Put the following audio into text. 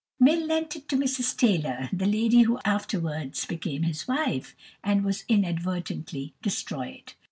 Mill lent it to Mrs Taylor, the lady who afterwards became his wife, and it was inadvertently destroyed.